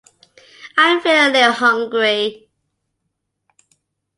I'm feeling a little hungry.